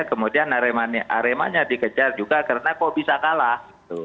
kemudian aremanya dikejar juga karena kok bisa kalah